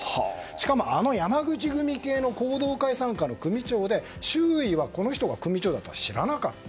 しかもあの山口組系の弘道会の傘下で周囲は、この人が組長だとは知らなかった。